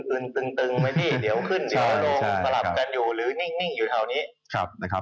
อื่นตึงมาดีดีออกขึ้นรถลงตลับกันอยู่หรือนึงอยู่เท่านี้